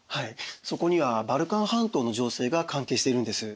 そこにはバルカン半島の情勢が関係しているんです。